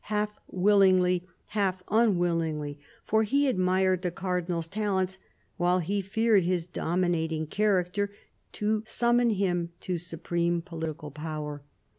half willingly, half unwillingly, for he admired the Cardinal's talents while he feared his dominating character, to summon him to supreme political power.